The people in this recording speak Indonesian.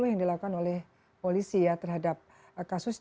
dua ribu sepuluh yang dilakukan oleh polisi ya terhadap kasus ini